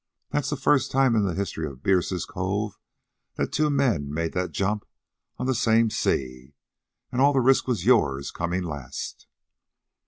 That's the first time in the history of Bierce's Cove that two men made that jump on the same sea. And all the risk was yours, coming last."